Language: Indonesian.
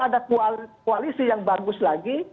ada koalisi yang bagus lagi